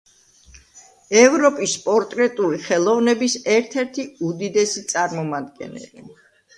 ევროპის პორტრეტული ხელოვნების ერთ-ერთი უდიდესი წარმომადგენელი.